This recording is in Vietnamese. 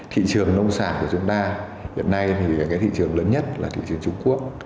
thị trường nông sản của chúng ta hiện nay thì cái thị trường lớn nhất là thị trường trung quốc